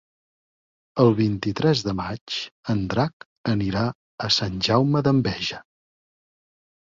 El vint-i-tres de maig en Drac anirà a Sant Jaume d'Enveja.